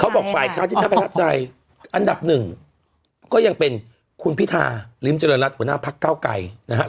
บอกฝ่ายค้านที่น่าประทับใจอันดับหนึ่งก็ยังเป็นคุณพิธาริมเจริญรัฐหัวหน้าพักเก้าไกรนะฮะ